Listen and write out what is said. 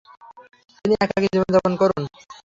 তিনি একাকী জীবনযাপন করুন।